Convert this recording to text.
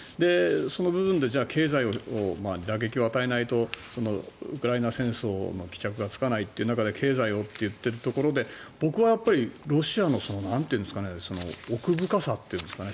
その部分でじゃあ経済を打撃を与えないとウクライナ戦争の帰着がつかないという中で経済をと言っているところで僕はやっぱりロシアの奥深さというんですかね